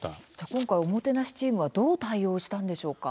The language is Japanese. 今回オモテナシチームはどう対応したんでしょうか？